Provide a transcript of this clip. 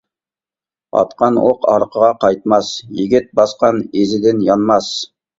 «ئاتقان ئوق ئارقىغا قايتماس، يىگىت باسقان ئىزىدىن يانماس» .